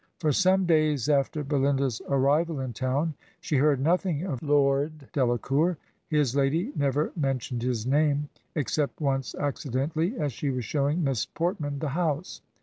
"For some days after Belinda's arrival in town she heard nothing of Lord Delacour; his lady never mentioned his name except once accidentally, as she was showing Miss Portman the house.